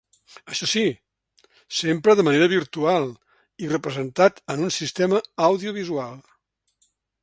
Això sí, sempre de manera virtual i representat en un sistema audiovisual.